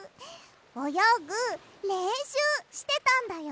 およぐれんしゅうしてたんだよ！